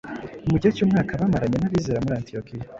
mu gihe cy’umwaka bamaranye n’abizera muri Antiyokiya.